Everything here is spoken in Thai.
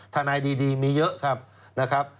ธนายดีมีเยอะครับ